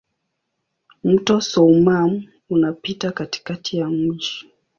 Mto Soummam unapita katikati ya mji.